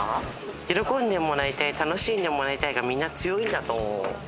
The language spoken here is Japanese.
喜んでもらいたい、楽しんでもらいたいが、皆強いんだと思う。